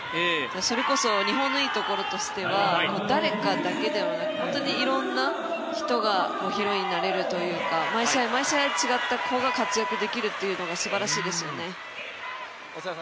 それこそ、日本のいいところとしては誰かだけではなくいろんな人がヒロインになれるというか、毎試合、毎試合違った子が活躍できるのが本当、すばらしいですね。